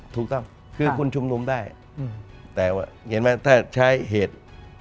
ถูกต้องคือคุณชุมนุมได้แต่ว่าเห็นไหมถ้าใช้เหตุ